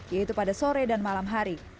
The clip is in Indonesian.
yaitu pada sore dan malam hari